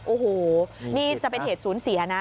โอ้โหนี่จะเป็นเหตุสูญเสียนะ